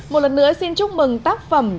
một lần nữa xin chúc mừng tác phẩm